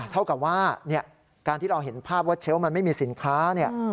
เท่ากับว่าการที่เราเห็นภาพว่าเชลล์มันไม่มีสินค้าเนี่ย